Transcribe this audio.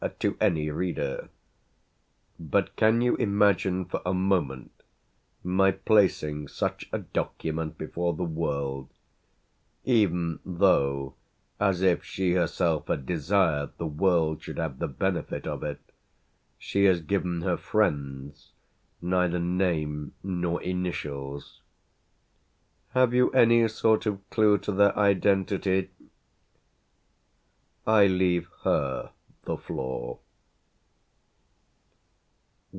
to any reader; but can you imagine for a moment my placing such a document before the world, even though, as if she herself had desired the world should have the benefit of it, she has given her friends neither name nor initials? Have you any sort of clue to their identity? I leave her the floor.